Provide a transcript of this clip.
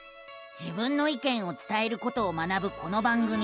自分の意見を伝えることを学ぶこの番組。